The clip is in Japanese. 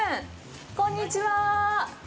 こんにちは。